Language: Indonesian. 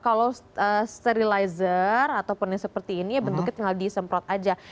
kalau sterilizer ataupun yang seperti ini ya bentuknya tinggal disemprot aja